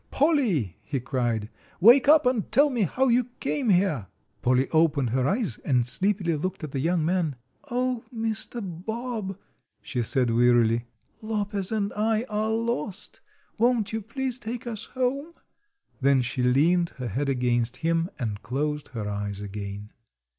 Polly!" he cried, "wake up and tell me how you came here." Polly opened her eyes and sleepily looked at the young man. "Oh, Mr. Bob," she said wearily, "Lopez and I are lost. Won't you please take us home?" Then she leaned her head against him and closed her eyes again.